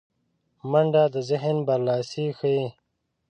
منډه د ذهن برلاسی ښيي